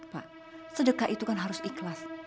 pak sedekah itu kan harus ikhlas